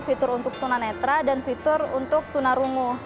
fitur untuk tuna netra dan fitur untuk tuna rungu